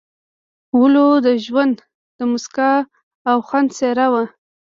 ولو د ژوند د موسکا او خندا څېره وه.